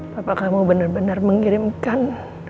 papa kamu bener bener mengirimkan